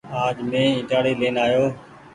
آج مين ائيٽآڙي لين آيو ۔